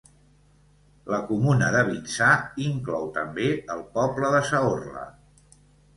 La comuna de Vinçà inclou també el poble de Saorla.